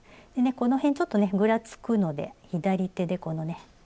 この辺ちょっとねぐらつくので左手でこのね